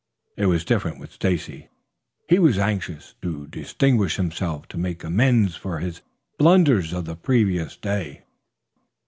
It was different with Stacy. He was anxious to distinguish himself, to make amends for his blunders of the previous day.